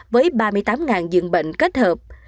với ba mươi tám dương bệnh kết hợp